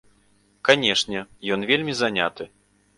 Канечне, ён вельмі заняты.